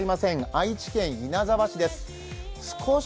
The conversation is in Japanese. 愛知県稲沢市です。